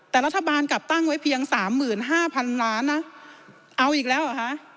แต่รัฐบาลกลับตั้งไว้เพียง๓๕๐๐๐ล้านเอาอีกแล้วหรือคะ